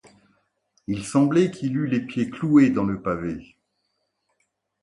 Il semblait qu’il eût les pieds cloués dans le pavé.